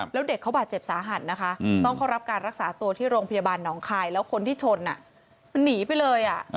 แล้วเด็กเขาบาดเจ็บสาหัสนะคะต้องเข้ารับการรักษาตัวที่โรงพยาบาลหนองคายแล้วคนที่ชนมันหนีไปเลย